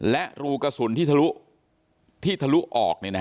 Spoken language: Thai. และรูกระสุนที่ทะลุออก